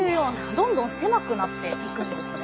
どんどん狭くなっていくんですね。